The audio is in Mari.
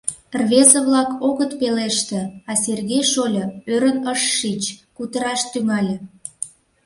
Рвезе-влак огыт пелеште, а Сергей шольо ӧрын ыш шич, кутыраш тӱҥале.